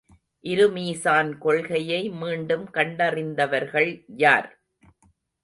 இரு மீசான் கொள்கையை மீண்டும் கண்டறிந்தவர்கள் யார்?